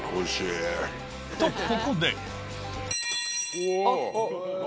とここでお！